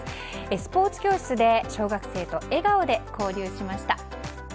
スポーツ教室で小学生と笑顔で交流しました。